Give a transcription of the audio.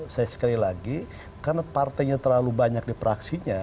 saya sekali lagi karena partainya terlalu banyak di praksinya